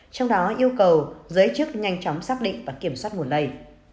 trong đó yêu cầu giới chức nhanh chóng xác định và kiểm soát nguồn lây